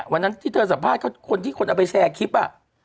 วันนั้นที่เธอสัมภาษณ์คนที่คนเอาไปแชร์คลิปอ่ะ